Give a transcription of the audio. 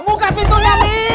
buka pintunya mimi